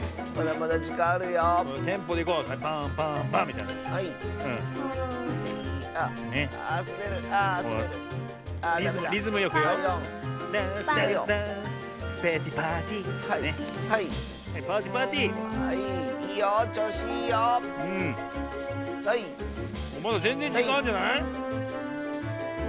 まだぜんぜんじかんあんじゃない？